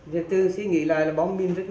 thì tư suy nghĩ là bom mìn rất nguy hiểm